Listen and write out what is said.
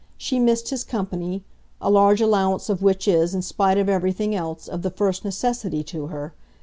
She missed his company a large allowance of which is, in spite of everything else, of the first necessity to her.